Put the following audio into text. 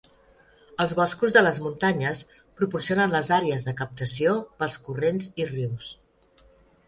Els boscos de les muntanyes proporcionen les àrees de captació pels corrents i rius.